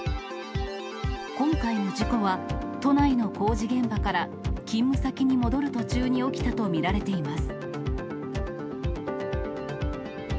今回の事故は、都内の工事現場から勤務先に戻る途中に起きたと見られています。